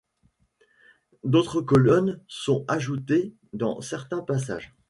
D'autres colonnes sont ajoutées dans certains passages.